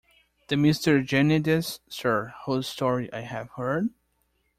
The Mr. Jarndyce, sir, whose story I have heard?